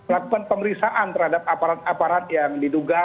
lakukan pemeriksaan terhadap aparat aparat yang diduga